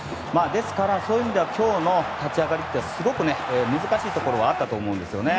そういう意味では今日の立ち上がりって難しいところがあったと思うんですよね。